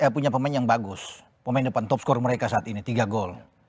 saya punya pemain yang bagus pemain depan top skor mereka saat ini tiga gol